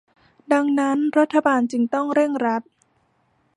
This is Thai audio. ดังนั้นรัฐบาลจึงต้องเร่งรัด